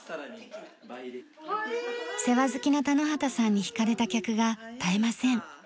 世話好きな田之畑さんに惹かれた客が絶えません。